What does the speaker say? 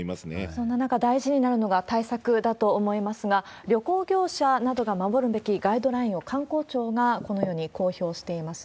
そんな中、大事になるのが対策だと思いますが、旅行業者などが守るべきガイドラインを観光庁がこのように公表しています。